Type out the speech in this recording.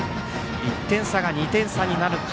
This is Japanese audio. １点差が２点差になるか。